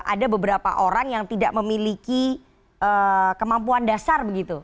ada beberapa orang yang tidak memiliki kemampuan dasar begitu